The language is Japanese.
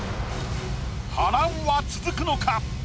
波乱は続くのか？